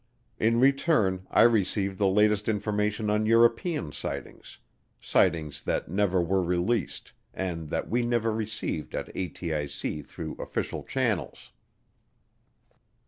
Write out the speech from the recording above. In return I received the latest information on European sightings sightings that never were released and that we never received at ATIC through official channels.